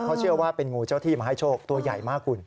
เขาเชื่อว่าเป็นงูเจ้าที่มาให้โชคตัวใหญ่มากคุณ